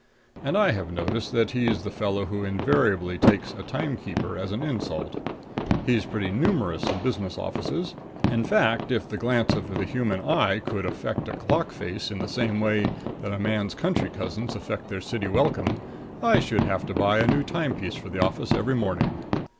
And I have noticed that he's the fellow who invariably takes a timekeeper as an insult. He's pretty numerous in business offices; in fact, if the glance of the human eye could affect a clockface in the same way that a man's country cousins affect their city welcome, I should have to buy a new timepiece for the office every morning.